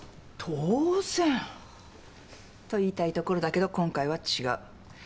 当然。と言いたいところだけど今回は違う。